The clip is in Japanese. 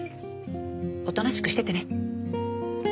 おとなしくしててね。